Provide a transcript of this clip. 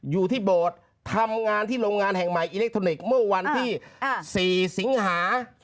อยู่ที่โบสถ์ทำงานที่โรงงานแห่งใหม่อิเล็กทรอนิกส์เมื่อวันที่๔สิงหา